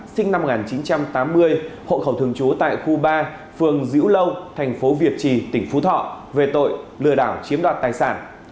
sinh năm một nghìn chín trăm tám mươi hộ khẩu thường trú tại khu ba phường diễu lâu thành phố việt trì tỉnh phú thọ về tội lừa đảo chiếm đoạt tài sản